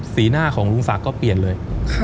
หน้าของลุงศักดิ์ก็เปลี่ยนเลย